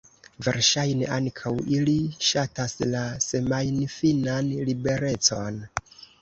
Verŝajne, ankaŭ ili ŝatas la semajnfinan liberecon.